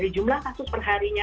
dari jumlah kasus perharinya